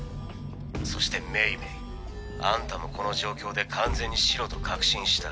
そして冥冥あんたもこの状況で完全にシロと確信した。